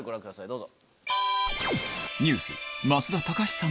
どうぞ。